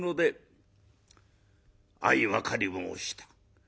「相分かり申した」。